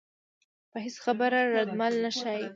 پۀ هېڅ خبره ردعمل نۀ ښائي